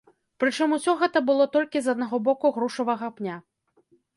Прычым усё гэта было толькі з аднаго боку грушавага пня.